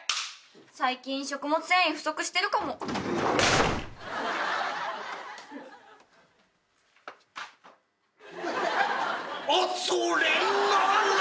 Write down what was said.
「最近食物繊維不足してるかも」「あっそれなら」